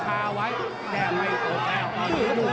กาดเกมสีแดงเดินแบ่งมูธรุด้วย